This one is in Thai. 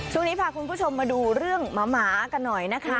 ช่วงนี้พาคุณผู้ชมมาดูเรื่องหมากันหน่อยนะคะ